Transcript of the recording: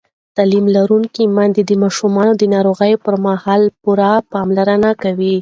تعلیم لرونکې میندې د ماشومانو د ناروغۍ پر مهال پوره پاملرنه کوي.